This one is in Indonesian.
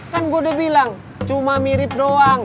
kan gue udah bilang cuma mirip doang